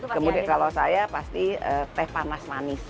kemudian kalau saya pasti teh panas manis